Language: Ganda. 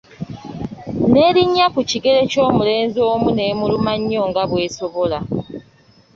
N'elinnya ku kigere ky'omulenzi omu, n'emuluma nnyo nga bw'esobola.